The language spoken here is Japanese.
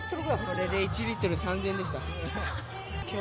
これで１リットル、３０００円でした。